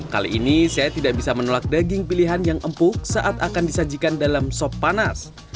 kali ini saya tidak bisa menolak daging pilihan yang empuk saat akan disajikan dalam sop panas